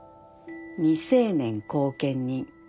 未成年後見人。